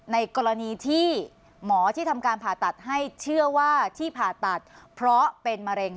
ในกรณีที่หมอที่ทำการผ่าตัดให้เชื่อว่าที่ผ่าตัดเพราะเป็นมะเร็ง